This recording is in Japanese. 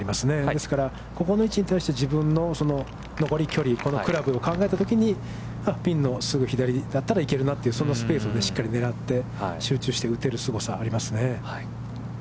ですから、ここの位置に対して自分の残り距離、このクラブを考えたときに、ピンのすぐ左だったら行けるなという、そのスペースをしっかり狙って集中して打てるすごさがありますね。